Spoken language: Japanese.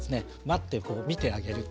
待って見てあげる。